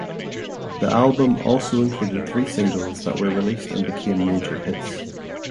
The album also included three singles that were released and became major hits.